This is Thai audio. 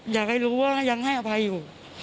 อยากให้รู้ว่ายังให้อภัยอยู่